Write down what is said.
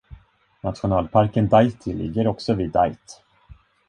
Nationalparken Dajti ligger också vid Dajt.